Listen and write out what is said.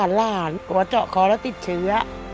จอกเคาะแล้วติดเชื้อ